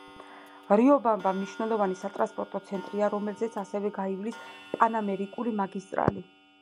რიობამბა მნიშვნელოვანი სატრანსპორტო ცენტრია, რომელზეც ასევე გაივლის პანამერიკული მაგისტრალი.